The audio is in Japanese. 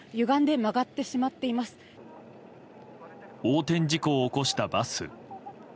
横転事故を起こしたバス。